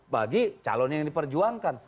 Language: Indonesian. bagi calon yang diperjuangkan